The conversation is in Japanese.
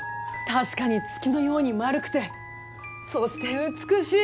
確かに月のように円くてそして美しい！